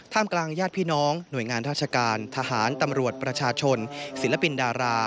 กลางญาติพี่น้องหน่วยงานราชการทหารตำรวจประชาชนศิลปินดารา